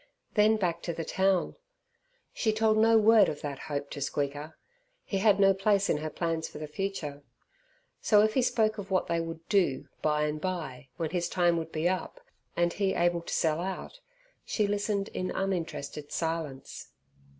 Then back to the town. She told no word of that hope to Squeaker, he had no place in her plans for the future. So if he spoke of what they would do by and by when his time would be up, and he able to sell out, she listened in uninterested silence.